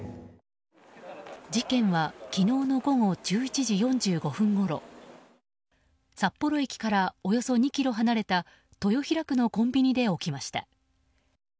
事件は昨日の午後１１時４５分ごろ札幌駅からおよそ２ｋｍ離れた豊平区のコンビニで起きました。